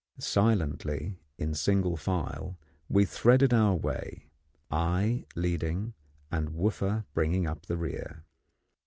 Silently, in single file, we threaded our way, I leading, and Wooffa bringing up the rear.